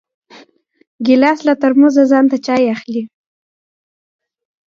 ګیلاس له ترموزه ځان ته چای اخلي.